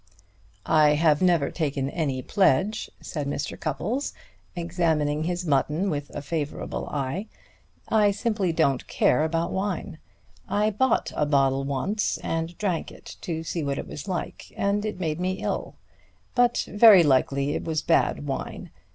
"I have never taken any pledge," said Mr. Cupples, examining his mutton with a favorable eye. "I simply don't care about wine. I bought a bottle once and drank it to see what it was like, and it made me ill. But very likely it was bad wine.